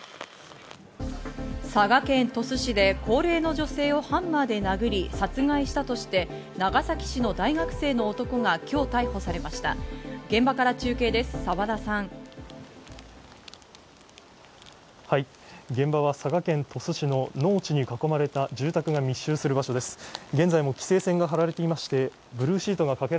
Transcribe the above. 佐賀県鳥栖市で高齢の女性をハンマーで殴り殺害したとして、長崎市の大学生の男が今日逮捕されました。